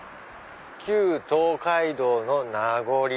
「東海道の名残り」。